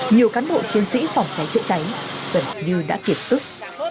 nhiều cán bộ chiến sĩ phòng cháy chữa cháy tận hợp như đã kiệt sức